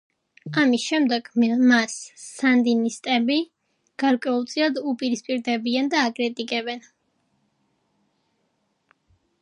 ამის შემდეგ მას სანდინისტები გარკვეულწილად უპირისპირდებიან და აკრიტიკებენ.